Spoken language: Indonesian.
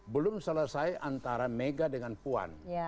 belum selesai antara mega dengan puan